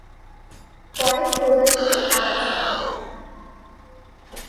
কয়েক প্রজাতির আগাছা